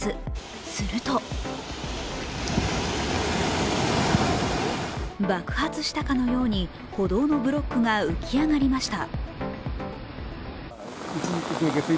すると爆発したかのように歩道のブロックが浮き上がりました。